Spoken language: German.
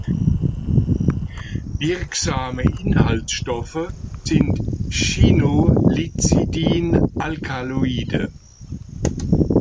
Wirksame Inhaltsstoffe sind Chinolizidin-Alkaloide.